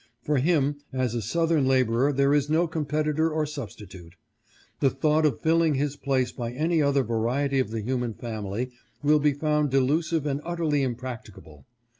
For him, as a Southern laborer there is no com petitor or substitute. The thought of filling his place by any other variety of the human family, will be found delusive and utterly im practicable.